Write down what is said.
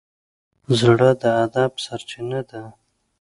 زړه د ادب سرچینه ده.